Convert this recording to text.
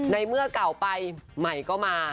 ในเมื่อเก่าไปใหม่ก็มา